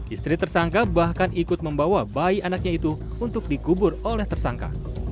istri tersangka bahkan ikut membawa bayi anaknya itu untuk dikubur oleh tersangka